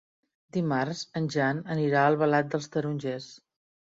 Dimarts en Jan anirà a Albalat dels Tarongers.